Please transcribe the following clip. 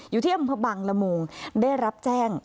อยู่ที่อำเภอบังละมุงได้รับแจ้ง